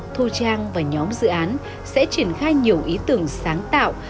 thu trang và nhóm dự án sẽ triển khai nhiều ý tưởng sáng tạo